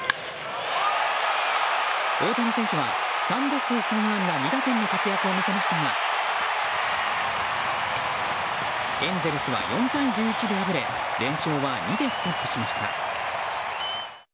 大谷選手は３打数３安打２打点の活躍を見せましたがエンゼルスは４対１１で敗れ連勝は２でストップしました。